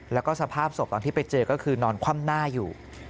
แล้วก็สภาพศพตอนที่ไปเจอก็คือนอนคว่ำหน้าอยู่